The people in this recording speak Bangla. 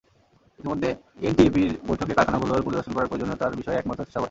ইতিমধ্যে এনটিএপির বৈঠকে কারখানাগুলোর পরিদর্শন করার প্রয়োজনীয়তার বিষয়ে একমত হয়েছে সবাই।